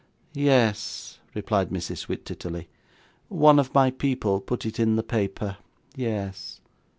'Yes,' replied Mrs. Wititterly, 'one of my people put it in the paper Yes.